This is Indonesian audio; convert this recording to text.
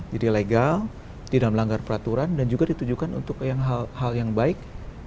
jadi legal tidak melanggar peraturan dan juga ditujukan untuk hal yang baik